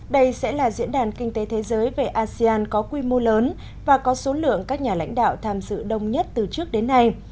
đây sẽ là diễn đàn kinh tế thế giới về asean có quy mô lớn và có số lượng các nhà lãnh đạo tham dự đông nhất từ trước đến nay